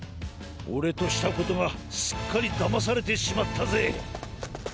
オレとしたことがすっかりだまされてしまったぜ。